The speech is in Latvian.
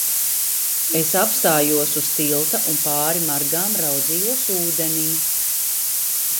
Es apstājos uz tilta un pāri margām raudzījos ūdenī.